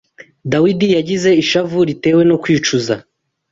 Dawidi yagize ishavu ritewe no kwicuza